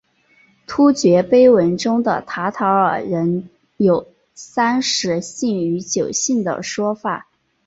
突厥碑文中的塔塔尔人有三十姓与九姓的说法。